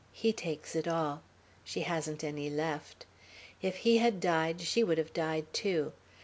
He takes it all. She hasn't any left. If he had died, she would have died too.